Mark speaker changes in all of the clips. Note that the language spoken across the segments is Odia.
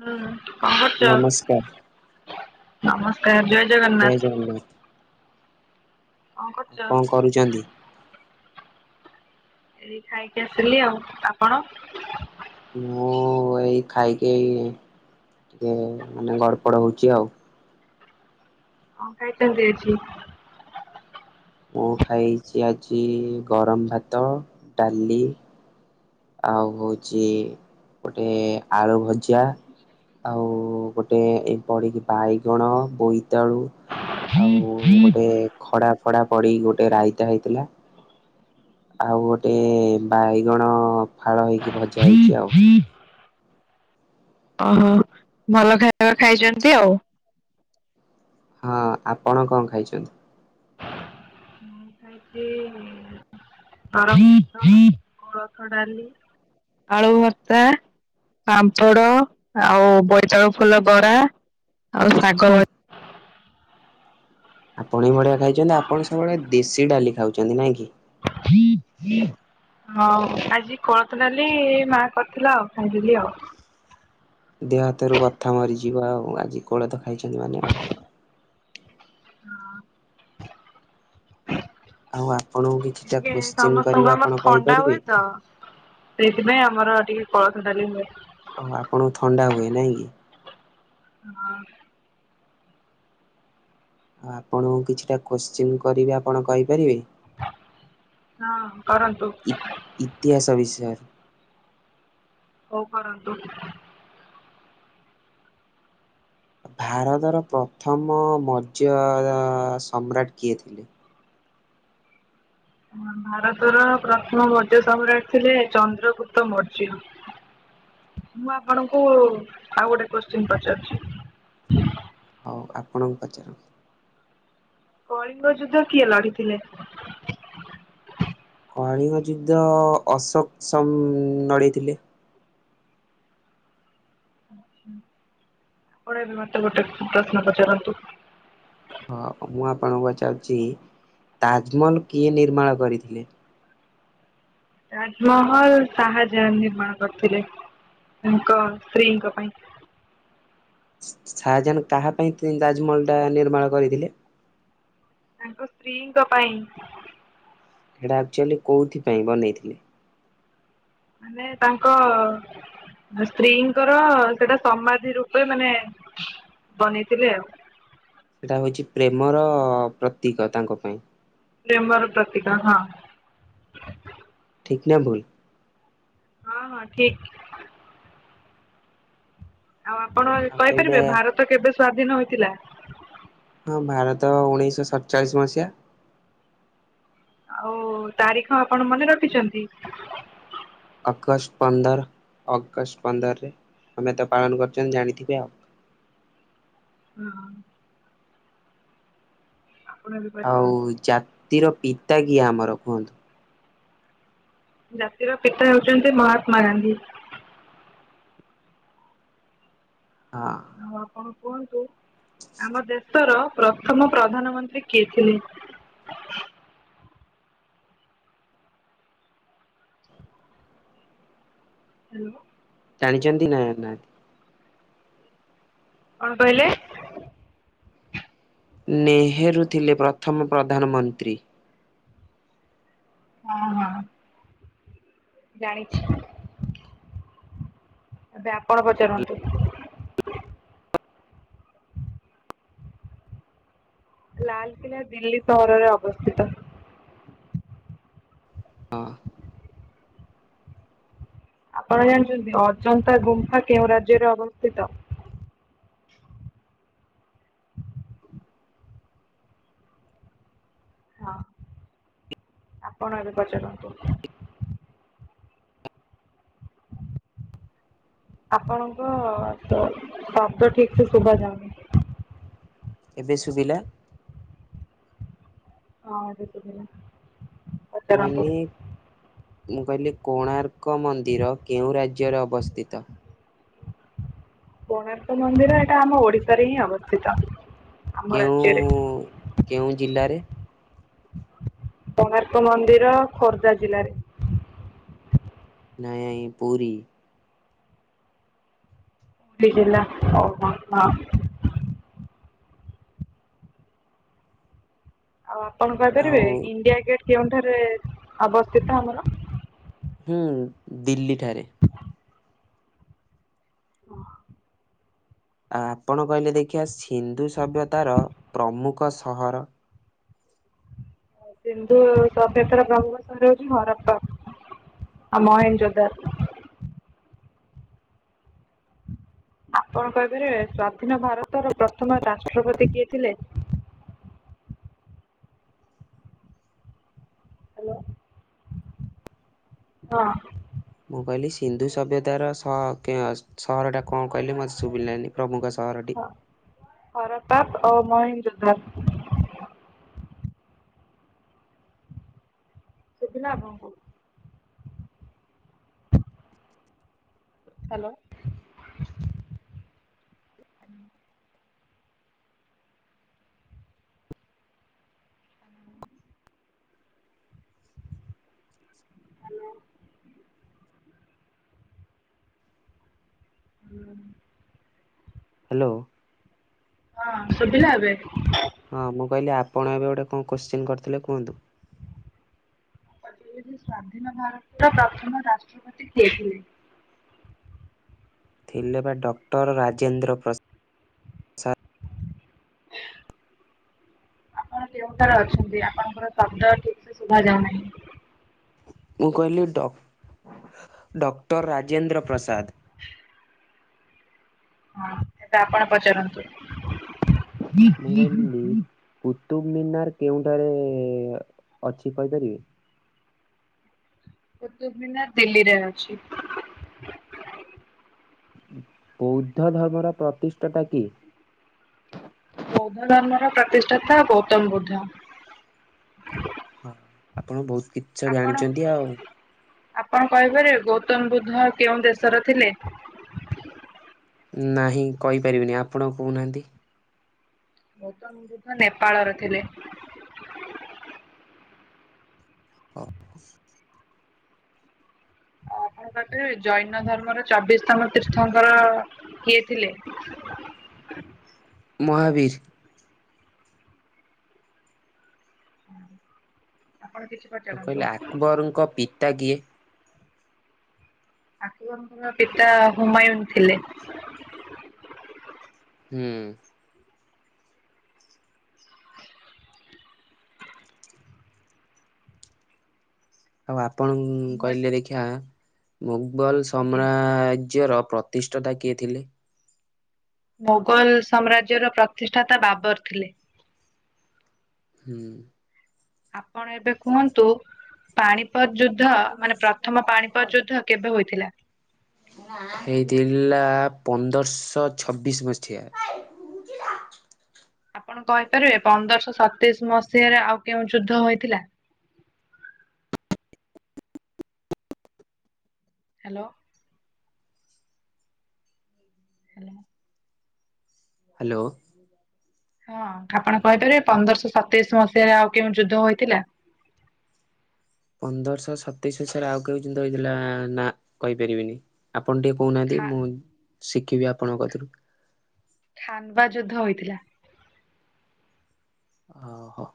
Speaker 1: ହୁଁ କଣ
Speaker 2: ନମସ୍କାର
Speaker 1: କରୁଛ। ନମସ୍ କାର। ଜୟ ଜଗନ୍ନାଥ।
Speaker 2: କଣ କରୁଛନ୍ତି?
Speaker 1: ଏଈ ଖାଇକି ଆସିଲି ଆଉ ଆପଣ?
Speaker 2: ମୁଁ ଏଇ ଖାଈକି ଏଈ ଟିକେ ମାନେ ଗଡ଼ପଡ ହଉଛି ଆଉ।
Speaker 1: କଣ ଖାଇଛନ୍ତି ଆଜୀ?
Speaker 2: ମୁଁ ଖାଇଛି ଆଜି ଗରମ ଭାତ ଡାଲି ଆଉ ହଉଛି ଗୋଟେ ଆକ ଭଜା ଆଉ ଗୋଟେ ଏଇ ପଢିକି ବାଇଗଣ ବୋଇ ତବେଳୁ ଆଉ ଗୋଟେ ଖଡା ଫଡା ପଡି ଗୋଟେ ରାଇତା ହେଇଥିଲା [unintelligible] ଆଉ ଗୋଟେ ବାଇଗଣ ଫାଳ ହେଇକି ଭଜା ହେଇଛି ଆଉ।
Speaker 1: ଓହୋ ଭଲ ଖାଇବା ଖାଇଛନ୍ତି ଆଉ।
Speaker 2: ହଁ ଆପଣ କଣ ଖାଇଛନ୍ତି?
Speaker 1: ହଁାଇତି [unintelligible] କୋଳଥ ଡାଲି ଆଳୁ ଭର୍ତା ପାମ୍ପଡ ଆଉ ବୋଇତାଳୁଫୁଲ ବରା ଆଉ ଶାଗଭଜା
Speaker 2: ଆପଣ ହିଁ ବଢ଼ିଆ ଖାଇଛନ୍ତି ଆପଣ ସବୁବେଳେ ଦେଶୀ ଡାଲି ଖାଉଛନ୍ତି ନାଇଁ କି
Speaker 1: ହଁ ଆଜି କୋଳଥ ଡାଲି ମା କରିଥିଲା ଆଉ ଖାଇଥିଲି ଆଉ
Speaker 2: ଦେହ ହାତରୁ ବଥା ମରିଯିବ ଆଉ ଆଜି କୋଳଥ ଖାଇଛନ୍ତି ମାନେ ଆଉ
Speaker 1: ହଁ
Speaker 2: ଆଉ ଆପଣଙ୍କୁ କିଛିଟା
Speaker 1: ଟିକେ
Speaker 2: କୋଶ୍ଚିନ୍ କରିବି
Speaker 1: ସମସ୍ତଙ୍କୁ ଆମର
Speaker 2: ଆପଣ
Speaker 1: ଥଣ୍ଡା
Speaker 2: କହିପାରିବେ?
Speaker 1: ହୁଏ ତ ସେଇଥିପାଇଁ ଆମର ଟିକେ କୋଲୋଥୋ ଡାଲି ହୁଏ।
Speaker 2: ଓହୋ ଆପଣଙ୍କୁ ଥଣ୍ଡା ହୁଏ ନାଇଁ କି?
Speaker 1: ହଁ।
Speaker 2: ଆଉ ଆପଣଙ୍କୁ କିଛିଟା କୋଶ୍ଚିନ୍ କରିବି ଆପଣ କହିପାରିବେ? ଇ ଇତିହାସ ବିଷୟରେ।
Speaker 1: ହୋଉ କରନ୍ତୁ।
Speaker 2: ଭାରତର ପ୍ରଥମ ମର୍ଯ୍ୟ ଅଁ [unintelligible] ସମ୍ରାଟ କିଏ ଥିଲେ?
Speaker 1: ଭାରତର ପ୍ରଥମ ମର୍ଯ୍ୟ ସମ୍ରାଟ ଥିଲେ ଚନ୍ଦ୍ରଗୁପ୍ତ ମର୍ଯ୍ୟ।
Speaker 2: [inaudible]
Speaker 1: ମୁଁ ଆପଣଙ୍କୁ ଆଉ ଗୋଟେ କୋଶ୍ଚିନ୍ ପଚାରୁଚି।
Speaker 2: ହୋଉ ଆପଣଙ୍କୁ ପଚାର।
Speaker 1: କଳିଙ୍ଗ ଯୁଦ୍ଧ କିଏ ଲଢିଥିଲେ?
Speaker 2: କାଳିଙ୍ଗ ଯୁଦ୍ଧ ଅଶୋକ ସମ ନଢିଥିଲେ।
Speaker 1: ଆଛା ଆପଣ ମତେ ଏବେ ଗୋଟେ ପ୍ରଶ୍ନ ପଚାରନ୍ତୁ।
Speaker 2: ହଁ ମୁଁ ଆପଣଙ୍କୁ ଚାହୁଛି ତାଜମହଲ କିଏ ନିର୍ମାଣ କରିଥିଲେ।
Speaker 1: ତାଜମହଲ ସାହାଯ୍ୟ ନିର୍ମାଣ କରିଥିଲେ। ତାଙ୍କ ସ୍ତ୍ରୀଙ୍କ ପାଇଁ।
Speaker 2: ଶାହାଜାାନ କାହା ପାଇଁ ତାଜମହଲଟା ନିର୍ମାଣ କରିଥିଲେ?
Speaker 1: ତାଙ୍କ ସ୍ତ୍ରୀଙ୍କ ପାଇଁ।
Speaker 2: ସେଇଟା ଆକ୍ଚୁଆଲି କୋଉଥି ପାଇଁ ବନେଇଥିଲେ?
Speaker 1: ମାନେ ତାଙ୍କ ସ୍ତ୍ରୀଙ୍କର ସେଇଟା ସମାଧି ରୂପେ ମାନେ ବନେଇଥିଲେଆଉ।
Speaker 2: ସେଇଟା ହଉଛି ପ୍ରେମର ପ୍ରତୀକ ତାଙ୍କ ପାଇଁ।
Speaker 1: ପ୍ରେମର ପ୍ରତିକ ହଁ।
Speaker 2: ଠିକ ନା ଭୁଲ।
Speaker 1: ହଁ ହଁ ଠିକ। ଆଉ ଆପଣ
Speaker 2: ଆଉ କହିଲେ
Speaker 1: କହିପାରିବେ ଭାରତ କେବେ ସ୍ଵାଧୀନ ହୋଇଥିଲା?
Speaker 2: ହଁ ଭାରତ ଉଣେଇଶହ ସତଚାଳିଶ ମସିହା
Speaker 1: ଆଉ ତାରିଖ ଆପଣ ମନେ ରଖିଛନ୍ତି?
Speaker 2: ଅଗଷ୍ଟ ପନ୍ଦର ଅଗଷ୍ଟ ପନ୍ଦର ଆମେ ତ ପାଳନ କରୁଛ ଜାଣିଥିବେ ଆଉ।
Speaker 1: ହଁ।
Speaker 2: ଆଉ ଜାତିର ପିତା କିଏ ଆମର କୁହନ୍ତୁ?
Speaker 1: ଜାତିର ପିତା ହେଉଛନ୍ତି ମହାତ୍ମା ଗାନ୍ଧୀ।
Speaker 2: ହଁ।
Speaker 1: କୁହନ୍ତୁ ଆମ ଦେଶର ପ୍ରଥମ ପ୍ରଧାନମନ୍ତ୍ରୀ କିଏ ଥିଲେ? ହ୍ୟାଲୋ।
Speaker 2: ଜାଣିଛନ୍ତି ନା ନାଁ?
Speaker 1: କଣ କହିଲେ?
Speaker 2: ନେହେରୁ ଥିଲେ ପ୍ରଥମ ପ୍ରଧାନମନ୍ତ୍ରୀ।
Speaker 1: ହଁ ହଁ। ଜାଣଛି। ଏବେ ଆପଣ ପଚାରନ୍ତୁ।
Speaker 2: ଆ
Speaker 1: ଲାଲକିଲ୍ଲା ଦିଲ୍ଲୀ ସହରରେ ଅବସ୍ଥିତ।
Speaker 2: ଆ
Speaker 1: ଆପଣ ଜାଣିଛନ୍ତି ଅଜନ୍ତା ଗୁମ୍ଫା କେଉଁ ରାଜ୍ୟରେ ଅବସ୍ଥିତ? ହଁ ଆପଣ ଏବେ ପଚାରନ୍ତୁ। ଆପଣଙ୍କ ସ ଶବ୍ଦ ଠିକସେ ଶୁଭାଯାଉନି।
Speaker 2: ଏବେ ଶୁଭିଲା?
Speaker 1: ହଁ ଏବେ ଶୁଭିଲା।
Speaker 2: ଅନେକ ମୁଁ କହିଲି କୋଣାର୍କ ମନ୍ଦିର କେଉଁ ରାଜ୍ୟରେ ଅବସ୍ଥିତ?
Speaker 1: କୋଣାର୍ଥ ମନ୍ଦିର ଏଇଟା ଆମ ଓଡିଶାରେ ହିଁ ଅବସ୍ଥିତ।
Speaker 2: କେଉଁ କେଉଁ ଜିଲ୍ଲାରେ?
Speaker 1: କୋଣାର୍କ ମନ୍ଦିର ଖୋର୍ଦ୍ଧା ଜିଲ୍ଲାରେ।
Speaker 2: ନାଇଁ ପୁରୀ।
Speaker 1: ପୁରୀ ଜିଲ୍ଲା ଓହୋ ହଁ। ଆଉ ଆପଣ
Speaker 2: ଆଉ
Speaker 1: କହିପାରିବେ ଇଣ୍ଡିଆ ଗେଟ୍ କେଉଁଠାରେ ଅବସ୍ଥିତ ଆମର?
Speaker 2: ହୁଁ ଦିଲ୍ଲୀ ଠାରେ।
Speaker 1: ଅହ
Speaker 2: ଆପଣ କହିଲେ ଦେଖିବା ସିନ୍ଧୁ ସଭ୍ୟତାର ପ୍ରମୁଖ ସହର
Speaker 1: ସିନ୍ଧୁ ସଭ୍ୟତାର ପ୍ରମୁଖ ସହର ହୋଉଛି ହରପ୍ପା। ମହେଞ୍ଜୋଦାର। ଆପଣ କହିପାରିବେ ସ୍ଵାଧୀନ ଭାରତର ପ୍ରଥମ ରାଷ୍ଟ୍ରପତି କିଏ ଥିଲେ?
Speaker 2: ଆ
Speaker 1: ହାଲୋ ହଁ।
Speaker 2: ମୁଁ କହିଲି ସିନ୍ଧୁ ସଭ୍ୟତାର ସ କେ ସହରଟା କ କଣ କହିଲେ ମତେ ଶୁଭିଲାନି ପ୍ରମୁଖ ସହରଟି?
Speaker 1: ଓ ମହେନ୍ଦ୍ର ଧା ସୁଦିନା [unintelligible] ହ୍ୟାଲୋ ହାଲୋ। ହୁଁ।
Speaker 2: ହ୍ୟାଲୋ।
Speaker 1: ହଁ, ଶୁଭିଲା ଏବେ?
Speaker 2: ହଁ ମୁଁ କହିଲି ଆପଣ ଏବେ ଗୋଟେ କଣ କୋଶ୍ଚିନ୍ କରିଥିଲେ କୁହନ୍ତୁ।
Speaker 1: ସ୍ୱାଧୀନ ଭାରତର ପ୍ରଥମ ରାଷ୍ଟ୍ରପତି କିଏ ଥିଲେ?
Speaker 2: ଥିଲେ ବା ଡକ୍ଟର ରାଜେନ୍ଦ୍ର ପ୍ର [inaudible]
Speaker 1: ଆପଣ ଯେଉଁଠାରେ ଅଛନ୍ତି? ଆପଣଙ୍କର ଶବ୍ଦ କିଛି ସୁଵା ଯାଉନାହିଁ।
Speaker 2: ମୁଁ କହିଲି ଡ଼ ଡକ୍ଟର ରାଜେନ୍ଦ୍ର ପ୍ରସାଦ।
Speaker 1: ହଁ, ଏବେ ଆପଣ ପଚାରନ୍ତୁ।
Speaker 2: ମୋବାଇଲି କୁତୁବମିନାର କେଉଁଠାରେ ଅଛି କହିପାରିବେ?
Speaker 1: କୁତୁବମୀନାର୍ ଦିଲ୍ଲୀରେ ଅଛି।
Speaker 2: ବୌଦ୍ଧ ଧର୍ମର ପ୍ରତିଷ୍ଠାଟା କିଏ?
Speaker 1: ବୌଦ୍ଧ ଧର୍ମର ପ୍ରତିଷ୍ଠାତା ଗୌତମ ବୁଦ୍ଧ।
Speaker 2: ହଁ। ଆପଣ ବହୁତ କିଛି ତ ଜାଣିଛନ୍ତି ଆଉ।
Speaker 1: ଆପଣ କହିପାରିବେ ଗୌତମ ବୁଦ୍ଧ କେଉଁ ଦେଶର ଥିଲେ?
Speaker 2: ନାହିଁ କହିପାରିବିନି, ଆପଣ କହୁନାହାନ୍ତି।
Speaker 1: ଗୌତମ ବୁଦ୍ଧ ନେପାଳର ଥିଲେ।
Speaker 2: ଓହ [inaudible]
Speaker 1: ଆପଣ କହିପାରିବେ, ଜୈନ ଧର୍ମର ଚବିଶ୍ ତମ ତୀର୍ଥଙ୍କର କିଏ ଥିଲେ। [inaudible]
Speaker 2: ମହାବୀର୍।
Speaker 1: [inaudible]
Speaker 2: ଆଉ କହିଲେ ଆକବରଙ୍କ ପିତା କିଏ?
Speaker 1: ଆକବରଙ୍କର୍ ପିତା ହୁମାୟୁନ୍ ଥିଲେ।
Speaker 2: ହୁଁ। ଆଉ ଆପଣ କହିଲେ ଦେଖିୟା ମୋଗଲ ସମ୍ରା ରାଜ୍ୟର ପ୍ରତିଷ୍ଠତା କିଏ ଥିଲେ?
Speaker 1: ମୋଗଲ ସାମ୍ରାଜ୍ୟର ପ୍ରତିଷ୍ଠାତା ବାବର ଥିଲେ।
Speaker 2: ହୁଁ।
Speaker 1: ଆପଣ ଏବେ କୁହନ୍ତୁ ପାଣିପଦ ଯୁଦ୍ଧ, ମାନେ ପ୍ରଥମ ପାଣିପଦ ଯୁଦ୍ଧ କେବେ ହୋଇଥିଲା?
Speaker 2: ହେଇଥିଲା ପନ୍ଦରଶହ ଛବିଶ ମସିହା। [inaudible]
Speaker 1: ଆପଣ କହିପାରିବେ ପନ୍ଦରଶହ ସତେଇଶି ମସିହାରେ ଆଉ କେଉଁ ଯୁଦ୍ଧ ହୋଇଥିଲା? ହ୍ୟାଲୋ। ହ୍ୟାଲୋ।
Speaker 2: ହ୍ୟାଲୋ।
Speaker 1: ହଁ ଆପଣ କହିପାରିବେ ପନ୍ଦରଶହ ସତେଇଶି ମସିହାରେ ଆଉ କେଉଁ ଯୁଦ୍ଧ ହୋଇଥିଲା?
Speaker 2: [inaudible] ପନ୍ଦରଶହ ସତେଇଶ ସାରେ ଆଉ କେଉଁ ଯୁଦ୍ଧ ହେଇଥିଲା, ନା କହିପାରିବିନି। ଆ ଆପଣ ଟିକେ କହୁନାହାନ୍ତି ମୁଁ ଶିଖିବି ଆପଣଙ୍କ କତୁରୁ।
Speaker 1: ଖାନବା ଯୁଦ୍ଧ ହୋଇଥିଲା।
Speaker 2: ଓହୋ।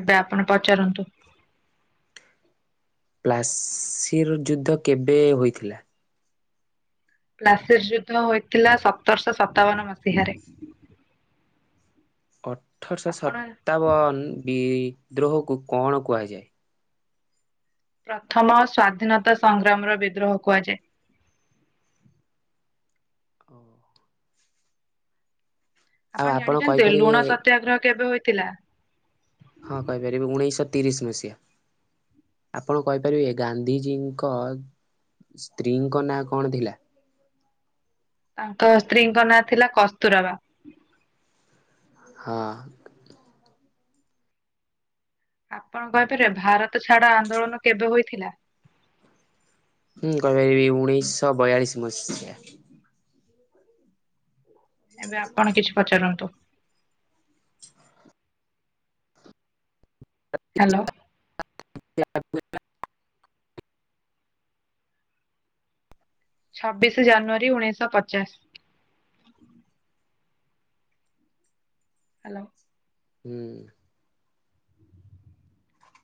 Speaker 1: ଏବେ ଆପଣ ପଚାରନ୍ତୁ।
Speaker 2: ପ୍ଲାସିର୍ ଯୁଦ୍ଧ କେବେ ହୋଇଥିଲା?
Speaker 1: ପ୍ସିର ଯୁଦ୍ଧ ହୋଇଥିଲା ସତରଶହ ସତାବନ ମସିହାରେ।
Speaker 2: ଅଠରଶହ ସତାବନ ବିଦ୍ରୋହକୁ କଣ କୁହାଯାଏ?
Speaker 1: ପ୍ରଥମ ସ୍୍ୱାଧୀନତା ସଂଗ୍ରାମର ବିଦ୍ରୋହ କୁହାଯାଏ।
Speaker 2: [inaudible] ଓ। ଆଉ
Speaker 1: ଆପଣ ଜାଣିଛନ୍ତି
Speaker 2: କହିପାରିବେ
Speaker 1: ଲୁଣ ସତ୍ୟାଗ୍ରହ କେବେ ହୋଇଥିଲା।
Speaker 2: ହଁ କହିପାରିବି ଉଣେଇଶହ ତିରିଶ ମସିହା ଆପଣ କହିପାରିବେ ଗାନ୍ଧିଜୀଙ୍କ ସ୍ତ୍ରୀଙ୍କ ନାଁ କଣ ଥିଲା?
Speaker 1: ତାଙ୍କ ସ୍ତ୍ରୀଙ୍କ ନାଁ ଥିଲା କସ୍ତୁରବା।
Speaker 2: ହଁ।
Speaker 1: ଆପଣ କହପିବେ ଭାରତ ଛାଡା ଆନ୍ଦୋଳନ କେବେ ହୋଇଥିଲା?
Speaker 2: ହଁ କହିପାରିବି ଉଣେଇଶହ ବୟାଳିଶ ମସିହା।
Speaker 1: ଏବେ ଆପଣ କିଛି ପଚାରନ୍ତୁ।
Speaker 2: [inaudible]
Speaker 1: ଛବିଶ ଜାନୁଆରୀ ଉଣେଇଶଶହ ପଚାଶ। ହ୍ୟାଲୋ।
Speaker 2: ହୁଁ।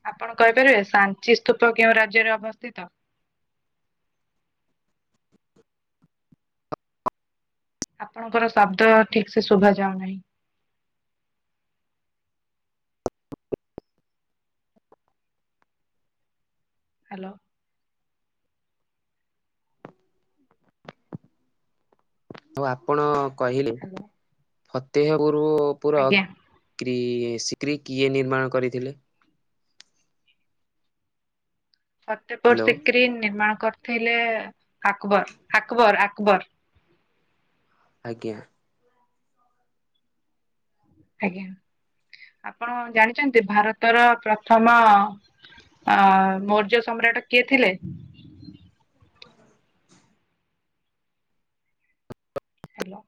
Speaker 1: ଆପଣ କହିପାରିବେ ସାଞ୍ଚି ସ୍ତୂପ କେଉଁ ରାଜ୍ୟରେ ଅବସ୍ଥିତ? ଆପଣଙ୍କର ଶବ୍ଦ ଠିକ ସେ ଶୁଭ ଯାଉନାହିଁ। ହ୍ୟାଲୋ।
Speaker 2: ଆଉ ଆପଣ କହିଲେ ଫତହପୁର ପୁରିକି କିଏ ନିର୍ମାଣ କରିଥିଲେ?
Speaker 1: ଫତେ
Speaker 2: ହ୍ୟାଲୋ
Speaker 1: ପୋଷ କ୍ରି ନିର୍ମାଣ କର ଥିଲେ ଆକବର ଆକବର ଆକବର
Speaker 2: ଆଜ୍ଞା।
Speaker 1: ଆଜ୍ଞା ଆପଣ ଜାଣିଛନ୍ତି ଭାରତର ପ୍ରଥମ ଆ ମୌର୍ଯ୍ୟ ସମ୍ରାଟ କିଏ ଥିଲେ?
Speaker 2: ହୁଁ।
Speaker 1: ହ୍ୟାଲୋ।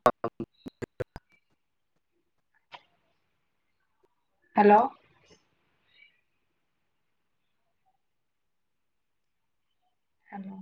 Speaker 1: ହ୍ୟାଲୋ। ହ୍ୟାଲୋ।